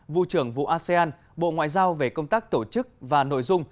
vụ trưởng vụ asean bộ ngoại giao về công tác tổ chức và nội dung